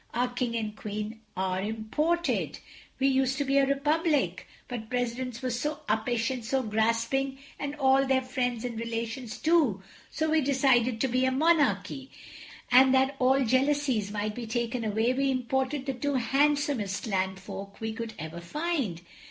Our King and Queen are imported. We used to be a Republic, but Presidents were so uppish and so grasping, and all their friends and relations too; so we decided to be a Monarchy, and that all jealousies might be taken away we imported the two handsomest Land Folk we could find.